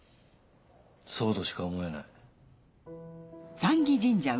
そうとしか思えない。